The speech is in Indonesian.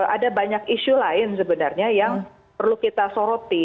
ada banyak isu lain sebenarnya yang perlu kita soroti